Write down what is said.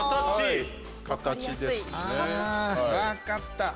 分かった。